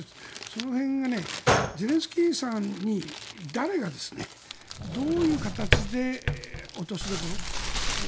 その辺がゼレンスキーさんに誰がどういう形で落としどころを。